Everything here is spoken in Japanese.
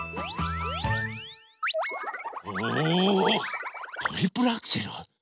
おおトリプルアクセル？